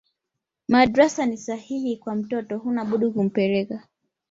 madrasa ni sahihi kwa mtoto hunabudi kumpeleka